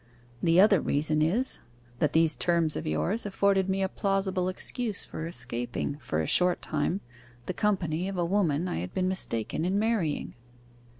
The other reason is, that these terms of yours afforded me a plausible excuse for escaping (for a short time) the company of a woman I had been mistaken in marrying.